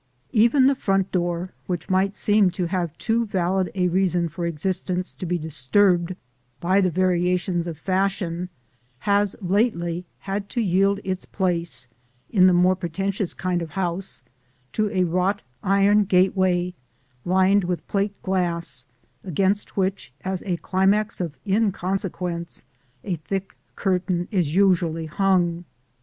Even the front door, which might seem to have too valid a reason for existence to be disturbed by the variations of fashion, has lately had to yield its place, in the more pretentious kind of house, to a wrought iron gateway lined with plate glass, against which, as a climax of inconsequence, a thick curtain is usually hung.